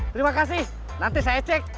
terima kasih nanti saya cek